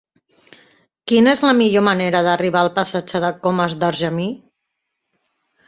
Quina és la millor manera d'arribar al passatge de Comas d'Argemí?